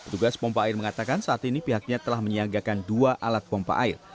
tugas pompa air mengatakan saat ini pihaknya telah menyiagakan dua alat pompa air